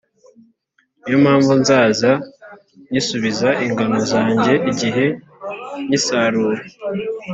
Ni yo mpamvu nzaza nkisubiza ingano zanjye igihe cy’isarura,